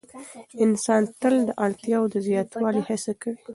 انسان تل د اړتیاوو د زیاتوالي هڅه کوي.